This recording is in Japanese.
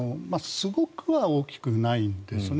すごくは大きくないんですね。